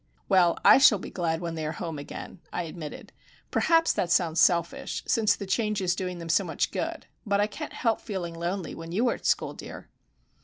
"Well, I shall be glad when they are home again," I admitted. "Perhaps that sounds selfish, since the change is doing them so much good; but I can't help feeling lonely when you are at school, dear."